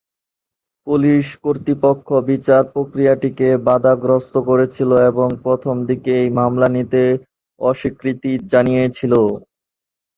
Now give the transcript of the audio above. Police কর্তৃপক্ষ বিচার প্রক্রিয়াটিকে বাধাগ্রস্ত করেছিল এবং প্রথমদিকে এই মামলা নিতে অস্বীকৃতি জানিয়েছিল।